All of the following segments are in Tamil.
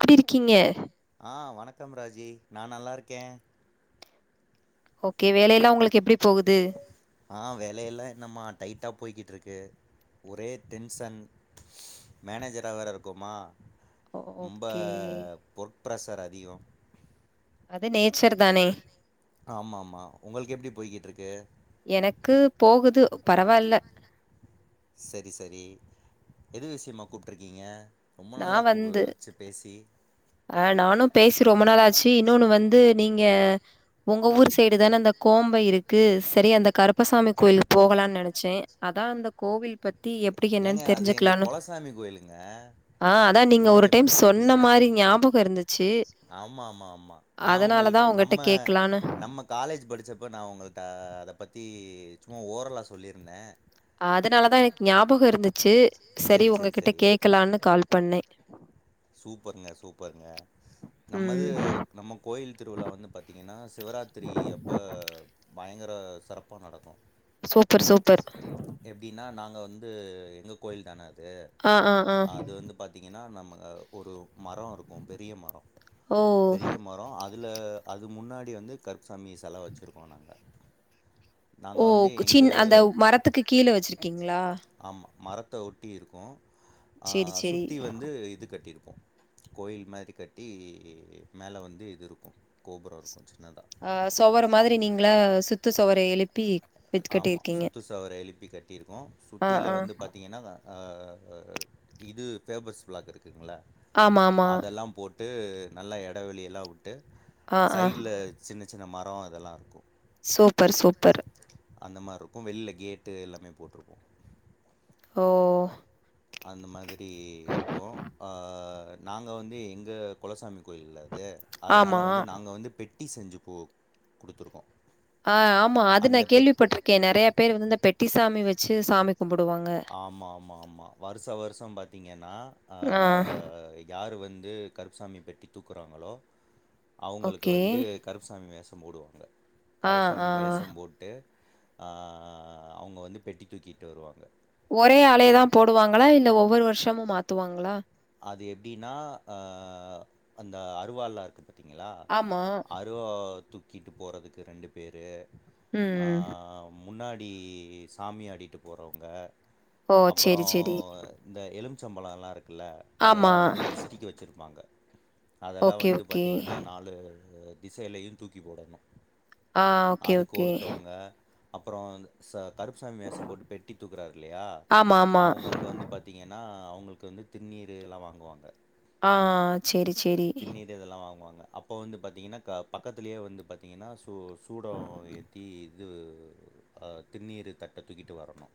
எப்டி இருக்கீங்க ஆ வணக்கம் ராஜி நா நல்லாருக்கே ஓகே வேல எல்லா உங்களுக்கு எப்டி போகுது ஆ வேலைய எல்லா என்னம்மா டைட்டா போய்கிட்டு இருக்கு ஒரே டென்சன் மேனேஜரா வேர இருக்கோமா ஓ ரொம்ப ஓகே. வொர்க் பிரஷர் அதிகோ அது நேச்சர் தானே ஆமா ஆமா உங்களுக்கு எப்டி போய்கிட்டு இருக்கு எனக்கு போகுது பரவாயில்ல சரி சரி எது விஷயமா கூப்பிட்டீருக்கீங்க நா வந்து அ நானும பேசி ரொம்ப நாளாச்சு இன்னொன்னு வந்து நீங்க உங்க ஊர் சைடு தானே அந்த கோம்ப இருக்கு சரி அந்த கருப்பசாமி கோயிலுக்கு போகலாம்னு நினச்சே அதா அந்த கோவில் பத் டீ எப்டி என்னன்னு தெரிஞ்சுக்கலானு கருப் சாமி கோயிலுங்க ஆ அதான் நீங்க ஒரு என்னங்க டைம் இப்டி சொன்ன சொல்ட்டீங்க மாரி ஞாபகோ இருந்துச்சு ஆமா ஆமா ஆமா நா அதனாலதா உங்களுக்கு உங்கட்ட நம்ம கேக்கலான்னு நம்ம காலேஜ் படிச்சப்ப நா உங்கள்ட்ட அத பத்தி சும்மா ஓரலா சொல்லியிருந்தே அதனால தா எனக்கு ஞாபகம் இருந்துச்சு சரி சேரி சேரி உங்ககிட்ட சேரி கேக்கலாம்னு கால் பண்ணே பண்ணே சூப்பருங்க சூப்பருங்க நம்ம இது ம். நம்ம கோயில் திருவிழா வந்து பாத்தீங்கன்னா சிவராத்திரி அப்ப பயங்கர சிறப்பா நடக்கு சூப்பர் சூப்பர் எப்டின்னா நாங்க வந்து எங்க கோயில் தான அது ஆ ஆ ஆ அது வந்து பாத் பாத்திங்கன்னா நம்ம ஒரு மரோ இருக்கு பெரிய மரோ ஓ பெரிய ம அதுல அது முன்னாடி வந்து கருப் சாமி செல வச்சிருக்கோ நாங்க ஓ நாங்க வந்து எங்க சின் அந்த மரத்துக்கு கீழ வச்சிருக்கீங்களா? ஆமா மரத்த ஒட்டியிருக்கு ஆ சேரி சேரி. சுத்தி வந்து இது கட்டியிருப்போ கோயில் மாரி கட்டி மேல வந்து இது இருக்கு கோபுரோ இருக்கு சின்னதா சுவர் மாரி நீங்களா சுத்து சுவர எழுப் ஆமா சுத்து சுவர எழுப்பி கட்டியிருக்கோ ஆ சுத்தில ஆ வந்து பாத்தீங்கன்னா அ அ இது பேபர்ஸ் பிளாக் இருக்குங்களா ஆமாமா. அதெல்லா போ ட்டு நல்லா இடவெளியெல்லா விட்டு ஆ ஆ சைட்ல சின்ன சின்ன மரொ அதெல்லா இருக்கு சூப்பர் சூப்பர் அந்த மாரி இருக்கு வெளில கேட்டு எல்லாமே போட்டிருப்போ ஓ அந்த மாதிரி இருக்கு, ஆ நாங்க வந்து எங்க குலசாமி கோயில்ல அது ஆமா. அதனால வந்து நாங்க வந்து பெட் ட்டி செஞ்சு போ குடுத்துருக்கோ ஆ ஆமா அது நா கேள்விப்பட்டிருக்கே நெறைய பேரு வந்து இந்த பெட்டிசாமி வச்சு சாமி கும்பிடுவாங்க. ஆமா ஆமா ஆமா வருஷா வருஷோ பாத்தீங்கன்னா அ ஆ யார் வந்து கருப்புசாமி பெட்டி தூக்குறாங்களோ அவுங்களுக்கு ஓகே. வந்து கருப்புசாமி வேஷம் போடுவாங்க ஆ ஆ கருப்சாமி வேஷம் போட் டு அ அவுங்க வந்து பெட்டி தூக்கிட்டு வருவாங்க ஒரே ஆளேதா போடுவாங்களா இல்ல ஒவ்வொரு வருஷமு மாத்துவாங்களா அது எப்டின்னா அ அந்த அறுவால்லா இருக்கு பார்த்தீங்களா ஆமா. அ அருவா தூக்கட்டு போறதுக்கு ரெண்டு பேரு ஆ ம். முன்னாடி சாமி ஆடிட்டு போறவங்க ஓ அப்பறோ சேரி சேரி இந்த எலும்பிச்சம்பழம் எல்லா இருக்குல்ல ஆமா அதெல்லா வந்து திஷ்டிக்கு வச்சிருப்பாங்க அதெல்லா ஓகே வந்து ஓகே பாத்தீங்கனா நாலு திசைலையு தூக்கி போடணு ஆ ஓகே அதுக்கு ஓகே ஒருத்தவங்க அப்பறோ இந்த ச கருப்புசாமி வேஷம் போட்டு பெட்டி தூக்குறாரு இல்லையா ஆமா ஆமா அவங்களுக்கு வந்து பாத்தீங்கன்னா அவங்களுக்கு வந்து திந்நீர் எல்லா வாங்குவாங்க ஆ சேரி சேரி திந்நீர் இதெல்லா வாங்குவாங்க அப்போ வந்து பாத்தீங்கன்னா க பக்கத்திலேயே வந்து பாத்தீங்கன்னா சூ சூடம் ஏத் தி இது திந்நீர் தட்ட தூக்கிட்டு வரணு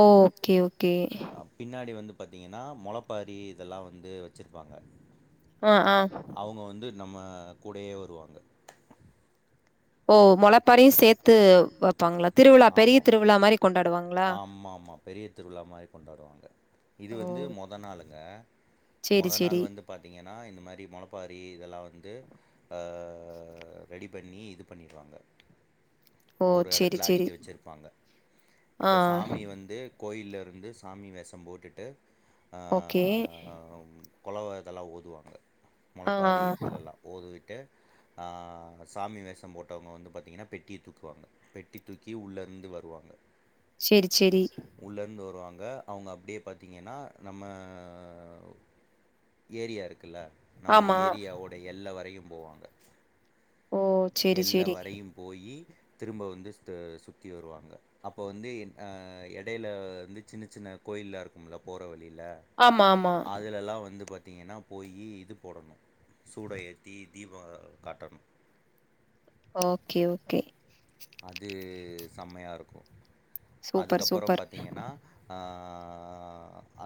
ஓ ஓகே ஓகே அ பின்னாடி வந்து பாத்தீங்கனா மொளப்பாரி இதெல்லா வந்து வச்சுருப்பாங்க அ ஆ அவங்க வந்து நம்ம கூடயே வருவாங்க ஓ மொளப்பாரியு சேத்து வப்பாங்களா திருவிழா பெரிய திருவிழா மாரி கொண்டாடுவாங்களா ஆமா ஆமா பெரிய திருவிழா மாரி கொண்டாடுவாங்க இது ஓ வந்து மொத நாளுங்க சேரி மொத சரி சேரி நாள் வந்து பாத்தீங்கன்னா இந்த மாரி மொளப்பாரி இதெல்லா வந்து ஆ ரெடி பண்ணி இது பண்ணிடுவாங்க ஓ ஒரு சேரி எடத்துல சேரி அடிக்கி வச்சிருப்பாங்க ஆ இப்ப சாமி வந்து கோயில்ல இருந்து சாமி வேஷம் போட்டுட்டு ஆ ஓகே குழவ இதெல்லா ஓதுவாங்க ஆ மொளப்பாரி இதுலெல்லா ஓதுவிட்டு ஆ சாமி வேஷம் போட்டவங்க வந்து பாத்தீங்கன்னா பெட்டிய தூக் குவாங்க பெட்டி தூக்கி உள்ள இருந்து வருவாங்க சேரி சேரி உள்ள இருந்து வருவாங்க அவங்க அப்டியே பாத்திங்கன்னா நம்ம ஏரியா இருக்குல்ல நம்ம ஆமா ஏரியாவோட எல்லா வரையு போவாங்க ஓ சேரி எல்லா சேரி வரையு போயி திரும்ப வந்து சுத்து சுத்தி வருவாங்க அப்போ வந்து அ எடைல வந்து சின்ன சின்ன கோயில்லா இருக்கும்லா போற வழியில ஆமா ஆமா அதுலல்லா வந்து பாத்தீங்கன்னா போயி இது போடணு சூடம் ஏத்தி தீபம் காட்டணு ஓகே ஓகே அது செமையா இருக்கு சூப்பர் அதுக்கப்பறோ சூப்பர் பாத்தீங்கன்னா அ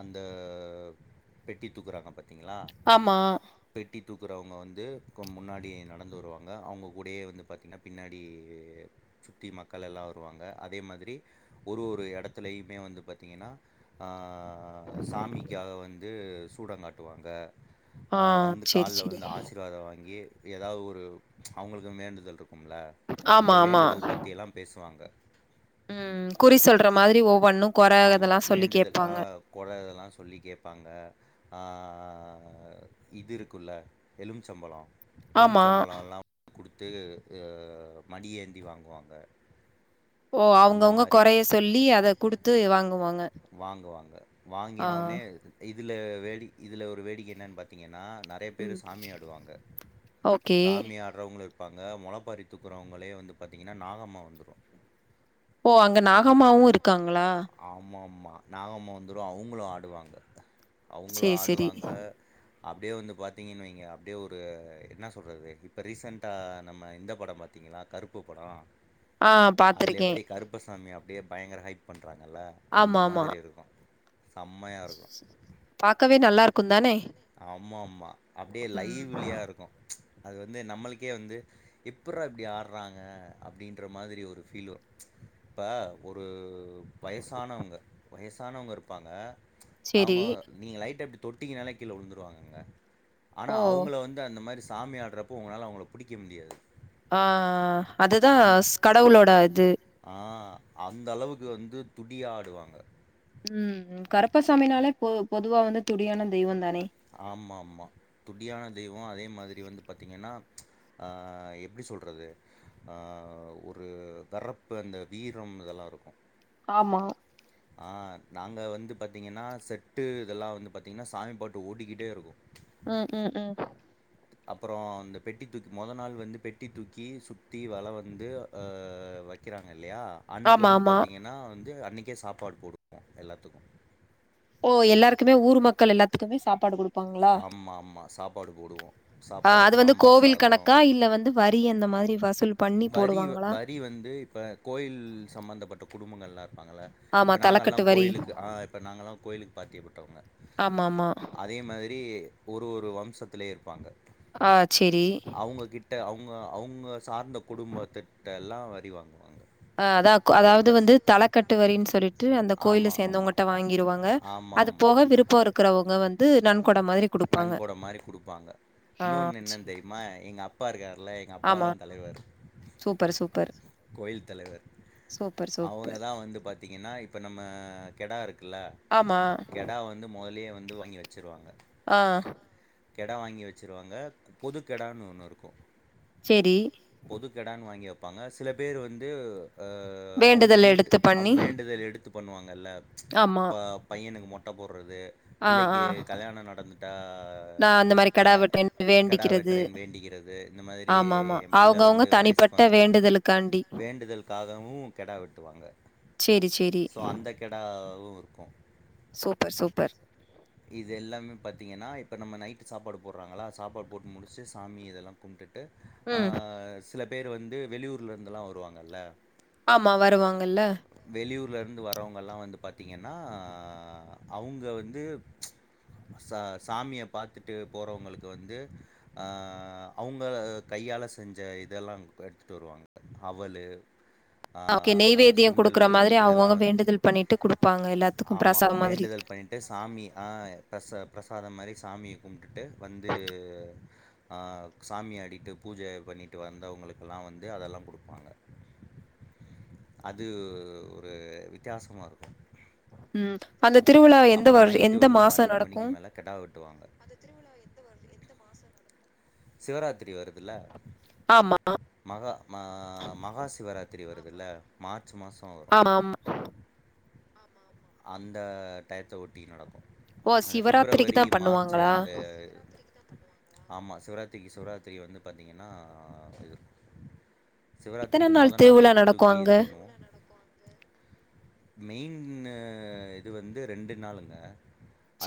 அந்த பெட்டி தூக்குறாங்க பாத்தீங்களா ஆமா பெட்டி தூக்குறவங்க வந்து கு முன்னாடி நடந்து வருவாங்க அவங்கக்கூடயே வந்து பாத்திங்கன்னா பின்னாடி சுத்தி மக்கள் எல்லா வருவாங்க அதே மாதிரி ஒரு ஒரு எடத்துலயுமே வந்து பாத்தீங்கன்னா ஆ ஆ சாமிக்காக வந்து சூடங்காட்டுவாங்க ஆ வந்து சேரி கால்ல சேரி விழுந்து ஆசிர்வாத வாங்கி எதாவ்து ஒரு அவுங்களுக்கும் வேண்டுதல் இருக்கும்ல அந்த ஆமா ஆமா வேண்டுதல் பத்தியெல்லாம் பேசுவாங்க ம் குறி சொல்ற மாதிரி ஒவ்வொன்னும் கொற அதெல்லா சொல்லி கேப்பாங்க கொற இதெல்லா சொல்லி கேப்பாங்க ஆ இது இருக்குல்ல எலும்ச்சம்பழொ ஆமா. எலும்புச்பழல்லா குடுத்து மடியேந்தி வாங்குவாங்க ஓ அந்த அவுங்கவுங்க மாரி கொறைய சொல்லி அத குடுத்து வாங்குவாங்க வாங்குவாங்க ஆ. வாங்கினோனே இதுல வேடி இதுல ஒரு வேடிக்கை என்னன் பாத்தீங்கன்னா நல் நறைய பேர் ம். சாமி ஆடுவாங்க ஓகே. சாமியாட் றவுங்களு இருப்பாங்க மொளப்பாரி தூக்குறவுங்களே வந்து பாத்தீங்கன்னா நாகம்மா வந்துரு ஓ அங்க நாகம்மாவு இருக்காங்களா ஆமா ஆமா நாகம்மா வந்துரு அவுங்களு ஆடுவாங்க அவுங்களு சரி, சரி. ஆடுவாங்க அப்டியே வந்து பாத்தீங்கனு வைங்க அப்டியே ஒரு என்னா சொல்றது இப்ப ரீசண்டா நம்ம இந்த படம் பாத் திங்களா கருப் ப்பு படொ ஆ அதுல பாத்துருக்கேன். எப்டி கருப்பசாமி அப்டியே பயங்கர ஹைக் பண்றாங்கல்ல அந்த ஆமாமா. மாத்ரி இருக்கூ செம்மையா இருக்கூ பாக்கவே நல் ஆமா ஆமா அப்டியே ம். லைவ்லியா இருக்கூ அது வந்து நம்மளுக்கே வந்து எப்புறா இப்டி ஆர் றாங்க அப்டின்ற மாரி ஒரு ஃபீல் வரு இப்ப ஒரு வயசானவுங்க வயசானவுங்க இருப்பாங்க சரி. அவுங்க நீங்க லைட்டா இப்டி தொட்டிங்கனாலே கீழ உழுந்துருவாங்கங்க ஓ! ஆனா அவுங்கள வந்து அந்த மாரி சாமி ஆடுறப்போ உங்களால அவுங்கள புடிக்க முடியாது ஆ அதுதா ஸ் கடவுளோட இது ஆ அந்த அளவுக்கு வந்து துடி ஆடுவாங்க ம் கருப்பசாமினாலே பொ பொதுவா வந்து துடியான தெய்வந்தானே ஆமா ஆமா துடியான தெய்வொ அதே மாதிரி வந்து பாத்தீங்கன்னா ஆ எப்டி சொல்றது ஆ ஒரு தரப்பு அந்த வீரம் இதெல்லா இருக்கூ ஆமா ஆ நாங்க வந்து பாத்தீங்கன்னா செட்டு இதெல்லா வந்து பாத்தீங்கன்னா சாமி பாட்டு ஓடிக்கிட்டே இருக்கூ ம் ம் ம் அப்பறொ இந்த பெட்டி தூக்கி மொத நாள் வந்து பெட்டி தூக்கி சுத்தி வல வந்து அ வக் வக்கிறாங்க இல்லயா அன்னைக்கி ஆமா, வந்து ஆமா. பாத்தீங்கன்னா வந்து அன்னைக்கே சாப்பாடு போடுவோ எல்லாத்துக்கூ ஓ எல்லாருக்குமே ஊர் மக்கள் எல்லாத்துக்குமே சாப்பாடு குடுப் ங்களா ஆமா ஆமா சாப்பாடு போடுவோ ஆ சாப்பா அது வந்து சாம்பார் கோவில் சாதோ கணக்கா இல்ல வந்து வரி அந்த மாரி வஸ் வசூல் பண்ணி போடுவா இவ் வரி வந்து இப்ப கோயில் சம்பந்தப்பட்ட குடும்பங்கல்லா இருப்பாங்கல்ல ஆமா இப்ப நாங்கல்லா தலக்கட்டு வரி கோயிலுக்கு ஆ இப்ப நாங்கல்லா கோயிலுக்கு பாத்தியப்பட்டவுங்க ஆமா ஆமா அதே மாரி ப்டி ஒரு ஒரு வம்சத்லே இருப்பாங்க ஆ சேரி அவுங்க கிட் கிட்ட அவுங்க அவுங்க சார்ந்த குடும்பத்திட்டெல்லா வரி வாங்குவாங்க அ அதா அதாவ்து வந்து தலக்கட்டு வரின் சொல்லிட்டு அந்த கோயில சேந்தவுங்கிட்ட வாங்கிருவாங்க போக அது போக விருப்பம் இருக்கறவங்க வந் து நன்கொட மாரி குடுக் நன்கொட மாரி குடுப்பாங்க இன்னொன்னு சரி. என்னன்னு தெரிமா எங்க அப்பா இருக்கார்ல எங்க அப்பா ஆமா தா தலைவர் சூப்பர் சூப்பர் கோயில் தலைவர் சூப்பர் அவுங்க சூப்பர் தா என்ன வந்து பாத்தீங்கன்னா இப்போ நம்ம கெடா இருக்குல்ல ஆமா கெடா வந்து மொதலயே வாங்கி வச்சுருவாங்க ஆ கெடா வாங்கி வச்சுருவாங்க பொது கெடானு ஒன்னு இருக்கும் செரி பொதுக்கெடானு வாங்கி வப்பாங்க சில பேர் வந்து அ அவுங்க வேண்டுதல் வீட் எடுத்து பண்ணி வேண்டுதல் எடுத்து பண்ணுவாங்கல்ல ஆமா இப்ப பையனுக்கு மொட்ட போட்றது ஆ ஆ பிள்ளைக்கு கல்யாணம் நடந்துட்டா நா அந்த மாரி ஆ கெடா வெட்ட கெடா வேண்டிக்கிறது வெட்ரேன் வேண்டிக்கறது இந்த மாரி ஆமாமா. என் பிள்ள அவங்கவங்க வந்து வயசுக்கு தனிப்பட்ட வந்த அது வேண்டுதலுக்காண்டி. வேண்டுதல்க்காகவு கெடா வெட்டுவாங்க சேரி சேரி சோ அந்த கெடாவு இருக்கு சூப்பர் சூப்பர் இது எல்லாமே பாத்தீங்கன்னா இப்ப நம்ம நைட்டு் சாப்பாடு போட்றாங்களா சாப்பாடு போட்டு முடிச்சு சாமி இதல்லா கும்ட்டு ம். சில பேர் வந்து வெளியூர்ல இருந்தல்லா வருவாங்கல்ல ஆமா வருவாங்கல்ல வெளியூர்லருந்து வரவங்க எல்லா வந்து பாத்தீங்கன்னா அவங்க வந்து ச சாமிய பாத்துட்டு போறவங்களுக்கு வந்து அவங்க கையால செஞ்ச இதெல்லாம் எடுத்துட்டு வருவாங்க அவலு ஆ ஓகே நெய்வேத்தியம் குடுக்குற சுண்டல்லு மாதிரி இதெல்லா அவங்கவங்க வந்து வேண்டுதல் பண்ணிட்டு குடுப்பாங்க எல்லாத்துக்கும் ஆமா பிரசாதம் மாதிரி. வேண்டுதல் பண்ணிட் சாமி ஆ பிர பிரசாதம் மாதிரி சாமிய கும்ட்டுட்டு வந்து சாமி ஆடிகிட்டு பூஜ பண்ணிட்டு வந்தவங்களுக்கல்லா வந்து அதல்லா குடுப்பாங்க அது ஒரு வித்தியாசமா இருக்கு ம் அந்த திருவிழா எந்த எந்த வந்து மாசம் நடக்கு மணிக்கு மேல கெடா வெட்டுவாங்க சிவராத்திரி வருதுல்ல ஆமா மகா மகா சிவராத்திரி வருதுல்ல மார்ச் மாச வரு ஆமா அந்த டயத்த ஒட்டி நடக்கு ஓ! சிவராத்திரிக்கு பிப்ரவரி தான் மார்ச் பண்ணுவாங்களா? அந்த ஆமா சிவராத்திரிக்கு சிவராத்திரி வந்து பாத்தீங்கன்னா இது எத்தன சிவராத்திரிக்கு மொதல் நாள் திருவிழா பெட்டி நடக்கும் தூக்கி அங்க? இது பண்ணுவோ மெயின் இது வந்து ரெண்டு நாளுங்க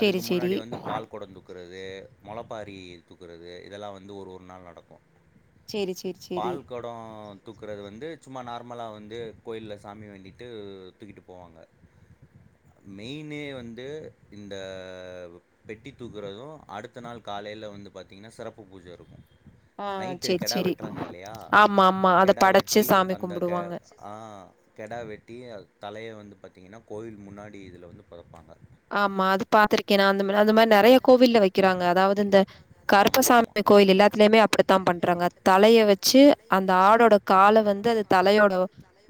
அதுக்கு சேரி. முன்னாடி வந்து பால் கொடம் தூக் கறது மொளப்பாரி தூக்கறது இதல்லா வந்து ஒரு ஒரு நாள் நடக்கு சேரி சேரி சேரி கொடோ தூக்கறது வந்து சும்மா நார்மலா வந்து கோயில்ல சாமி வேண்டிட்டு தூக்கிட்டு போவாங்க மெய்னே வந்து இந்த பெட்டி தூக்குறது அடுத்த நாள் காலைல வந்து பாத்தீங்கன்னா சிறப்பு பூஜருக்கு ஆ, நைட்டு சேரி, கெடா சேரி. வெட்றாங்க இல்லயா ஆமா, ஆமா. அத கெடா படைச்சு வெட்டி சாமி அந்த க கும்பிடுவாங்க. ஆ கெடா வெட்டி தலய வந்து பாத்திங்கன்னா கோவில் முன்னாடி இதில வந்து பொதப்பாங்க ஆமா அது பாத்துருக்கே அந்த அந்த மாதிரி நெறைய கோவில்ல வைக்கிறாங்க அதாவது இந்த கருப்பசாமி இந்த கோயில எல்லாத்திலயுமே அப்டித்தா பண்றாங்க தலைய வச்சு அந்த ஆடோட கால வந்து அது தலையோட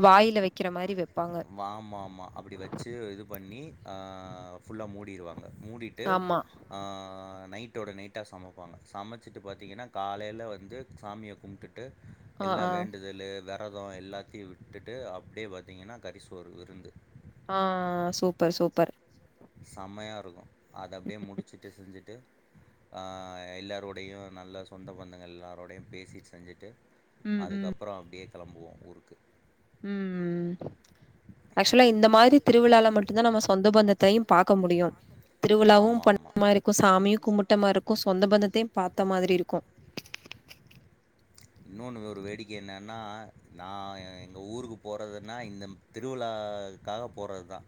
வாய்ல வைக்கிற மாதிரி வப்பாங்க வாமா ஆமா அப்டி வச்சு இது பண்ணி ஆ ஃபுல்லா மூடிடுவாங்க மூடி ட்டு ஆமா. ஆ நைட்டோட நைட்டா சமப்பாங்க சமச்சிட்டு பாத்திங்கன்னா காலைல வந்து சாமிய கும்ப்ட்டு ஆ எல்லா ஆ வேண்டுதலு வெர தோ எல்லாத்தயு விட்டுட்டு அப்டியே பாத்திங்கன்னா கரிசோறு விருந்து ஆ சூப்பர் சூப்பர் செம்மையாருக்கு அத அப்டியே முடிச்சுட்டு செஞ்சுட்டு ஆ எல்லாரோடையு நல்லா சொந்த பந்தங்கள் எல்லாரோடையு பேசிட்டு செஞ்சுட்டு ம் ம் அதுக்கப்றோ அப்டியே கிளம்புவோ ஊருக்கு ம் ஆக்சுவலா இந்த மாரி திருவிழால மட்டுந்தா நம்ம சொந்த பந்த தையு பாக்க முடியு திருவிழாவு ஆமா பண்ண ஆமா மாரிருக்கு சாமியு கும்பட்ட மாரிருக்கு சொந்த பந்தத்தையு பாத்த மாதிரிருக்கு இன்னொனு ஒரு வேடிக்க என்னனா நா எங்க ஊருக்கு போறதுன்னா இந்த திருவிழாக்காக போறது தா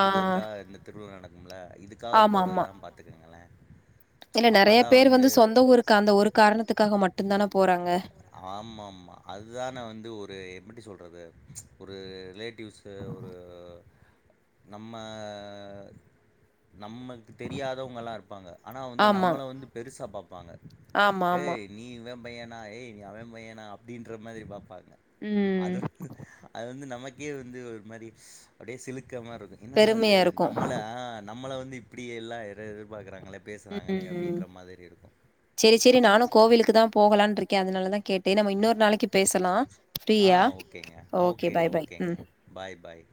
ஆ ஒருக்கா இந்த திருவிழா நடக்கும்ல இதுக்காக போறது தா பாத்துக்கங்ளே ஏன்னா நெறய பேர் வந்து சொந்த ஊருக்கு அந்த ஒரு காரணத்துக்காக மட்டு தான போறாங்க ஆமா ஆமா அதுதான வந்து ஒரு எப்டி சொல்றது ஒரு ரிலே டியூஸ் ஒரு நம்ம நம்மளுக்கு தெரியாதவங்கல்லாருப்பாங்க ஆனா அவு ஆமா நம்ள வந்து பெருசா பாப்பாங்க ஆமா ஆமா ஏய் நீ இவே பையனா ஏய் நீ அவே பையனா அப்டின்ற மாரி பாப்பாங்க ம் அதுக்கு அது வந்து நமக்கே வந்து ஒரு மாரி அப்டியே சிலுக்க மாரிருக்கு என்னடா அது பெருமையா இருக்கு நம்மள ஆ நம்மள வந்து இப்டி எல்லா எதிர்பாக்குறாங்களே பேச ம் சேரி சேரி நானு கோவிலுக்கு தா போகலாம்ன்ருக்கே அதனால தா கேட்டே நம்ம இன்னொரு நாளைக்கு பேசலா ஆ ஃப்ரீயா சரியா? ஓகே ஓகேங்க பாய் பாய் ஓகேங்க ம் பாய் பாய்